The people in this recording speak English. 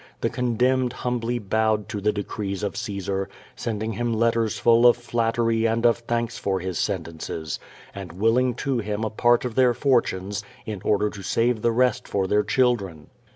The condemned humbly bowed to the decrees of Caesar, sending him letters full of flattery and of thanks for his sentences, and willing to him a part of their fortunes, in order to save the rest for their children.